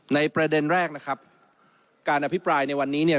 ประเด็นแรกนะครับการอภิปรายในวันนี้เนี่ย